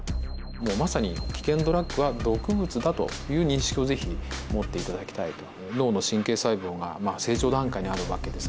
もうまさに危険ドラッグは毒物だという認識を是非持って頂きたいと。